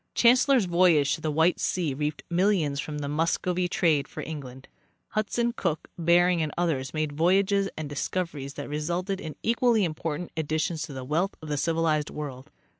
Chancellor's voyage to the White sea reaped millions from the Muscovy trade for England. Hudson, Cook, Bering and others made voyages and discoveries that re sulted in equally important additions to the wealth of the civil ized world.